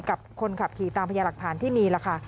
กับคนขับขี่ตามพยาหลักฐานที่มีล่ะค่ะ